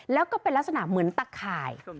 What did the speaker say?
แล้วก็เป็นลักษณะเหมือนตะข่าย